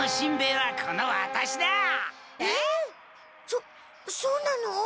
そそうなの？